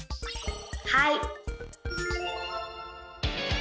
はい！